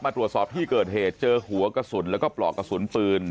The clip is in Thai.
ตรวจสอบที่เกิดเหตุเจอหัวกระสุนแล้วก็ปลอกกระสุนปืน